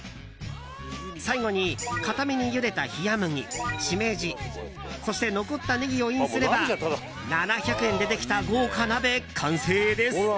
最後に硬めにゆでたひやむぎシメジそして残ったネギをインすれば７００円でできた豪華鍋完成です。